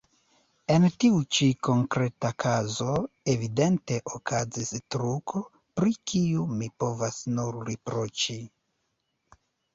En tiu ĉi konkreta kazo evidente okazis truko, pri kiu mi povas nur riproĉi.